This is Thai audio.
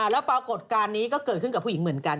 แล้วปรากฏการณ์นี้ก็เกิดขึ้นกับผู้หญิงเหมือนกัน